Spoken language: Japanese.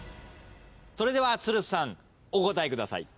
それでは都留さんお答えください。